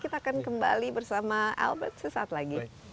kita akan kembali bersama albert sesaat lagi